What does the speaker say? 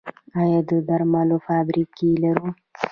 آیا د درملو فابریکې لرو؟